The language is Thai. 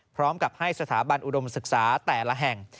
พร้อมกับให้สถาบันอุดมศึกษาแต่ละแห่ง